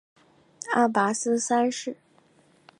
阿拔斯三世。